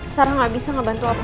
sarah gak bisa gak bantu apa dua